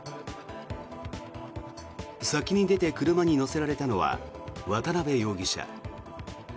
先に出て、車に乗せられたのは渡邉容疑者。